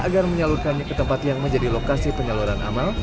agar menyalurkannya ke tempat yang menjadi lokasi penyaluran amal